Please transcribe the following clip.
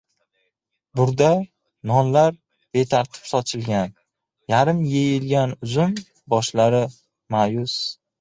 Burda nonlar betartib sochilgan. Yarim yeyilgan uzum boshlari ma’yus.